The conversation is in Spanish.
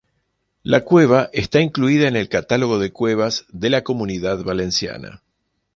La cueva está incluida en el Catálogo de Cuevas de la Comunidad Valenciana.